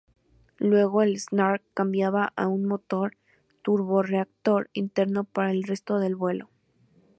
Luego, el "Snark" cambiaba a un motor turborreactor interno para el resto del vuelo.